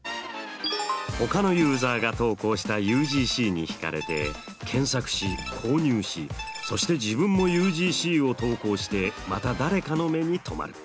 ほかのユーザーが投稿したＵＧＣに引かれて検索し購入しそして自分もＵＧＣを投稿してまた誰かの目に留まる。